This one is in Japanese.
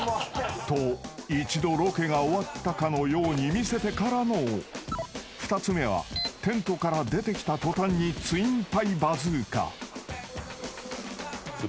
［と一度ロケが終わったかのように見せてからの２つ目はテントから出てきた途端にツインパイバズーカ］